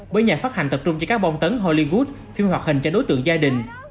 bởi nhà phát hành tập trung cho các bong tấn hollywood phim hoạt hình cho đối tượng gia đình